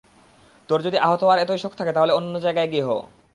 তোর যদি আহত হওয়ার এতই শখ থাকে তাহলে অন্য জায়গায় গিয়ে হ।